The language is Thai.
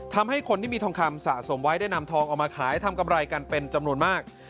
ทำให้คนที่มีทองคำสะสมไว้ได้นำทองเอามาขายทำกำไรกันเป็นจำนวนมาก